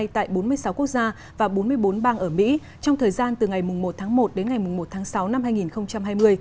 tại bốn mươi sáu quốc gia và bốn mươi bốn bang ở mỹ trong thời gian từ ngày một tháng một đến ngày một tháng sáu năm hai nghìn hai mươi